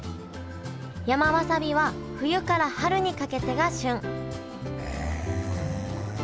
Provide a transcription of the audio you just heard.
山わさびは冬から春にかけてが旬へえ。